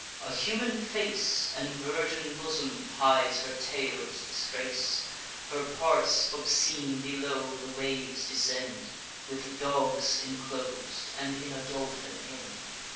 A human face, And virgin bosom, hides her tail's disgrace: Her parts obscene below the waves descend, With dogs inclos'd, and in a dolphin end.